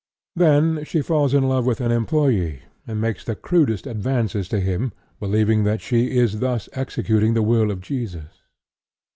Then she falls in love with an employee, and makes the crudest advances to him, believing that she is thus executing the will of Jesus.